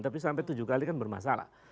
tapi sampai tujuh kali kan bermasalah